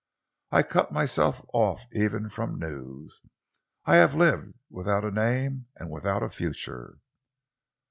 I cut myself off even from news. I have lived without a name and without a future."